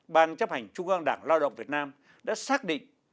ban chấp hành trung an đảng lao động việt nam đã xác định